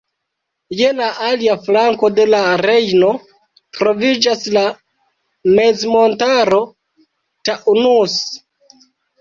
Je la alia flanko de la Rejno troviĝas la mezmontaro Taunus.